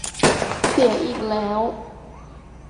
เสียอีกแล้ว